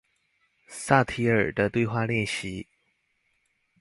薩提爾的對話練習